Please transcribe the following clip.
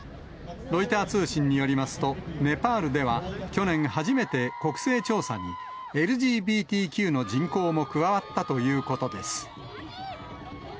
ロイター通信によりますと、ネパールでは、去年初めて国勢調査に、ＬＧＢＴＱの人口も加わったということです。